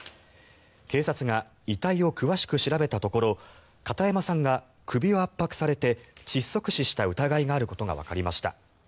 警察が遺体を詳しく調べたところ片山さんが首を圧迫されて窒息死した疑いがあることがわかりました。